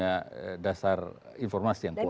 yang tidak punya dasar informasi yang kuat